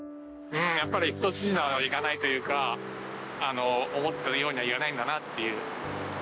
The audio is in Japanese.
やっぱり一筋縄ではいかないというか、思っているようにはいかないんだなっていう。